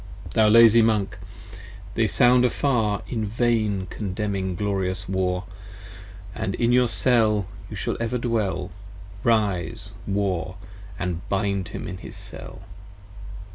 Thou lazy Monk, they sound afar, In vain condemning glorious War, 65 And in your Cell you shall ever dwell: Rise, War, & bind him in his Cell.